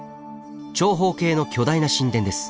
長方形の巨大な神殿です。